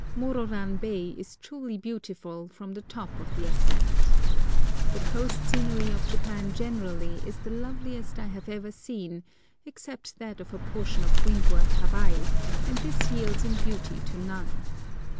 Mororan Bay is truly beautiful from the top of the ascent. The coast scenery of Japan generally is the loveliest I have ever seen, except that of a portion of windward Hawaii, and this yields in beauty to none.